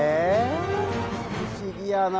不思議やな。